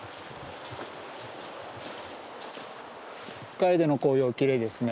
カエデの紅葉きれいですね。